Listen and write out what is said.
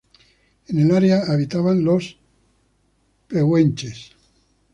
En el área habitaban los pehuenches.